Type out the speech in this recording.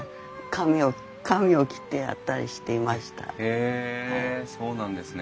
へえそうなんですね。